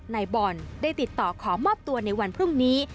นายบอลได้ติดต่อขอมอบตัวในวันพรุ่งนี้